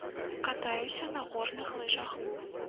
Катаюся на горных лыжах.